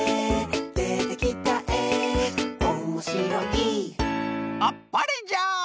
「でてきたえおもしろい」あっぱれじゃ！